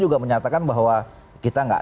juga menyatakan bahwa kita nggak